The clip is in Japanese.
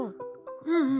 うんうん。